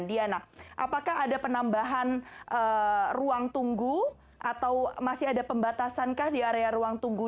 diana apakah ada penambahan ruang tunggu atau masih ada pembatasan kah di area ruang tunggu